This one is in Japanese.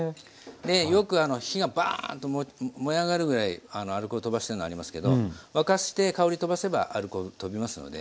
でよく火がバーッと燃え上がるぐらいアルコールとばしてるのありますけど沸かして香りとばせばアルコールとびますので。